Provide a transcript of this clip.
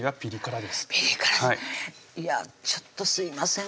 ちょっとすいません